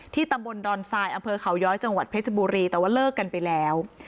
ตำบลดอนทรายอำเภอเขาย้อยจังหวัดเพชรบุรีแต่ว่าเลิกกันไปแล้ว